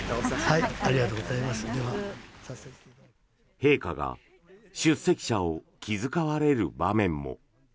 陛下が出席者を気遣われる場面も。